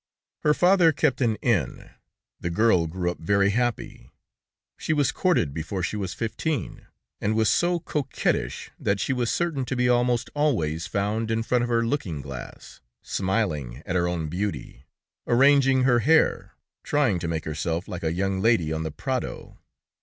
Her father kept an inn; the girl grew up very happy; she was courted before she was fifteen, and was so coquettish that she was certain to be almost always found in front of her looking glass, smiling at her own beauty, arranging her hair, trying to make herself like a young lady on the prado.